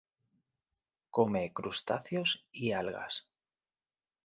Come crustáceos y algas.